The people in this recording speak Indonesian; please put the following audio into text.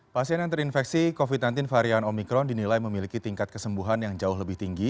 pasien yang terinfeksi covid sembilan belas varian omikron dinilai memiliki tingkat kesembuhan yang jauh lebih tinggi